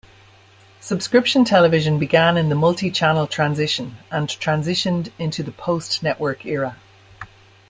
Subscription television began in the multi-channel transition and transitioned into the post-network era.